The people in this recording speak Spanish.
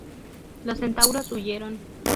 Los centauros huyeron.